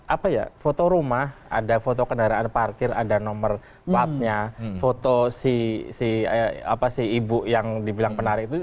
ada foto rumah ada foto kendaraan parkir ada nomor vat nya foto si ibu yang dibilang penarik